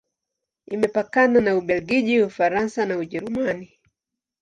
Imepakana na Ubelgiji, Ufaransa na Ujerumani.